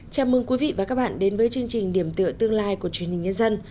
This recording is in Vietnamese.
chào mừng quý vị và các bạn đến với chương trình điểm tựa tương lai của truyền hình nhân dân